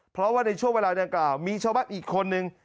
เพราะว่าในช่วงเวลาดังกล่าวมีชาวบ้านอีกคนนึง